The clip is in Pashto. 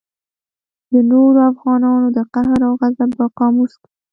د نورو افغانانو د قهر او غضب په قاموس کې.